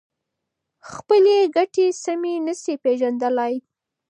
خپلې ګټې سمې نشي پېژندلای.